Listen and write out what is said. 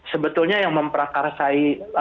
sebetulnya yang memperkarsai